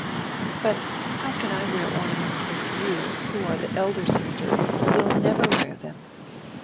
"But how can I wear ornaments if you, who are the elder sister, will never wear them?"